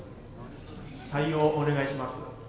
「対応お願いします」。